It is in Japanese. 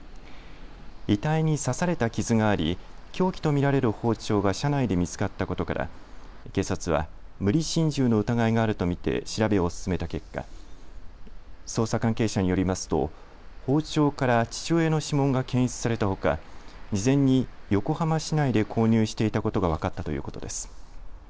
遺体に刺された傷があり凶器と見られる包丁が車内で見つかったことから警察は無理心中の疑いがあると見て調べを進めた結果、捜査関係者によりますと包丁から父親の指紋が検出されたほか事前に横浜市内で購入していたことが分かったということです。